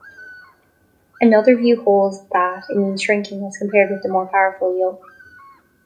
Another view holds that it means "shrinking", as compared with the more powerful Yeo.